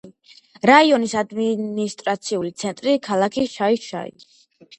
რაიონის ადმინისტრაციული ცენტრია ქალაქი შაი-შაი.